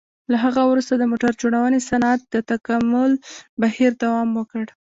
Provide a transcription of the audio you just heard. له هغه وروسته د موټر جوړونې صنعت د تکامل بهیر دوام وکړ.